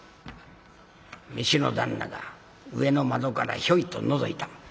食の旦那が上の窓からひょいとのぞいた。